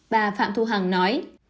bà phạm thu hằng nói